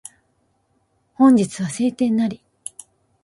本日は晴天なり